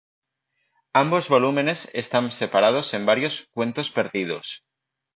Ambos volúmenes están separados en varios "Cuentos perdidos".